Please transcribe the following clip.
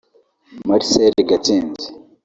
Marcel Gatsinzi